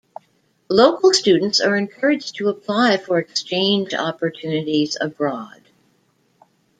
Local students are encouraged to apply for exchange opportunities abroad.